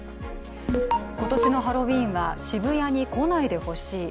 今年のハロウィーンは渋谷に来ないでほしい。